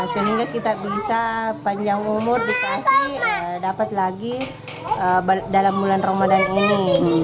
sehingga kita bisa panjang umur dikasih dapat lagi dalam bulan ramadan ini